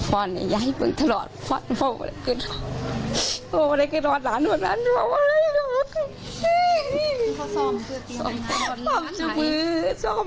ไม่รู้สึกเลยจริงพูดถึงงานนานน้ำตกใหม่